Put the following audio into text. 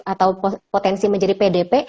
atau potensi menjadi pdp